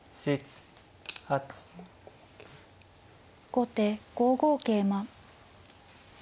後手５五桂馬。